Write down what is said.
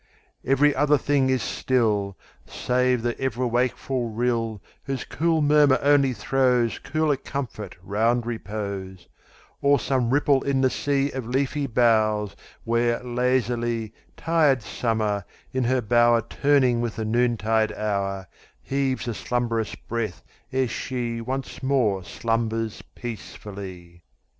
Every other thing is still, Save the ever wakeful rill, Whose cool murmur only throwsCooler comfort round repose; Or some ripple in the seaOf leafy boughs, where, lazily, Tired summer, in her bowerTurning with the noontide hour, Heaves a slumbrous breath ere sheOnce more slumbers peacefully.